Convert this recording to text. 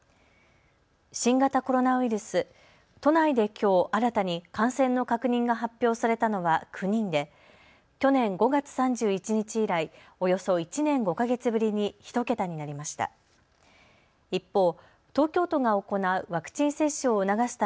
新型コロナウイルス、都内できょう新たに感染の確認が発表されたのは９人で去年５月３１日以来、およそ１年５か月ぶりに１桁になりました。